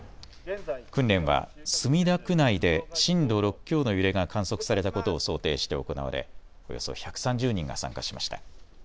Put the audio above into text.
訓練は墨田区内で震度６強の揺れが観測されたことを想定して行われ、およそ１３０人が参加しました。